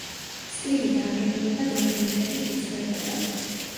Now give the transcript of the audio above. სტილი და აგებულება დროთა მიხედვით იცვლებოდა.